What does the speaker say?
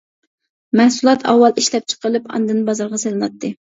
مەھسۇلات ئاۋۋال ئىشلەپچىقىرىلىپ ئاندىن بازارغا سېلىناتتى.